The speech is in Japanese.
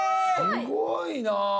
すごいなぁ。